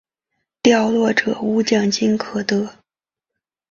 掉落者无奖金可得。